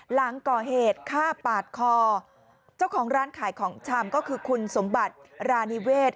หลังก่อเหตุฆ่าปาดคอเจ้าของร้านขายของชำก็คือคุณสมบัติรานิเวศ